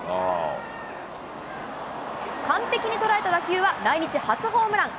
完璧に捉えた打球は来日初ホームラン。